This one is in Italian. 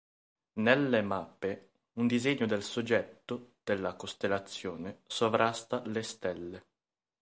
Nelle mappe, un disegno del soggetto della costellazione sovrasta le stelle.